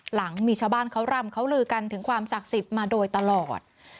หลังมีชาวบ้านเขารำเขาลือกันถึงความศักดิ์สิทธิ์มาโดยตลอด